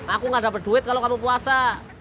aku gak dapat duit kalau kamu puasa